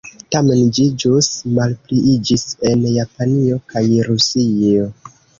Tamen ĝi ĵus malpliiĝis en Japanio kaj Rusio.